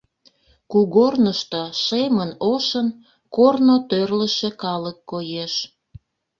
Кугорнышто шемын-ошын корно тӧрлышӧ калык коеш.